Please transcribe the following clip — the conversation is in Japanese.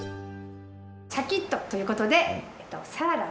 シャキッとということでサラダを。